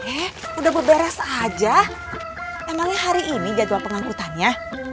eh udah beberes aja emangnya hari ini jadwal pengangkutannya